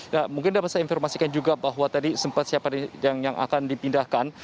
nah mungkin dapat saya informasikan juga bahwa tadi sempat siapa yang akan dipindahkan